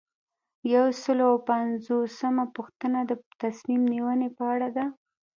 یو سل او پنځوسمه پوښتنه د تصمیم نیونې په اړه ده.